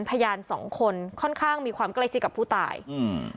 พยานสองคนค่อนข้างมีความใกล้ชิดกับผู้ตายอืม